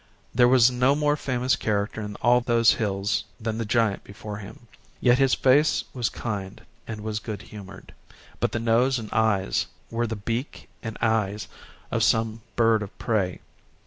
There was no more famous character in all those hills than the giant before him yet his face was kind and was good humoured, but the nose and eyes were the beak and eyes of some bird of prey.